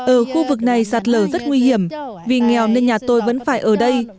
ở khu vực này sạt lở rất nguy hiểm vì nghèo nên nhà tôi vẫn phải ở đây